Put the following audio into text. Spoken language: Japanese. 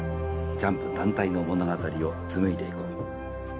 ジャンプ団体の物語を紡いでいこう。